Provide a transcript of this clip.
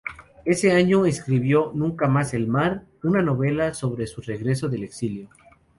Ese año escribió "Nunca más el mar", una novela sobre su regreso del exilio.